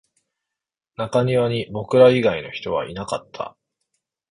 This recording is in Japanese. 中庭には僕ら以外の人はいなかった